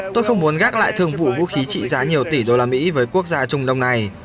tôi không muốn gác lại thương vụ vũ khí trị giá nhiều tỷ đô la mỹ với quốc gia trung đông này